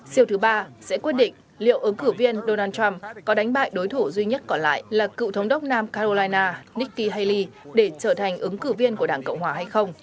siêu thứ ba sẽ quyết định liệu ứng cử viên donald trump có đánh bại đối thủ duy nhất còn lại là cựu thống đốc nam carolina nikki haley để trở thành ứng cử viên của đảng cộng hòa hay không